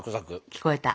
聞こえた。